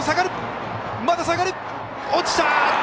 落ちた！